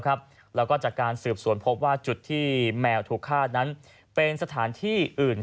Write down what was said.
แล้วก็จากการสืบสวนพบว่าจุดที่แมวถูกฆ่านั้นเป็นสถานที่อื่น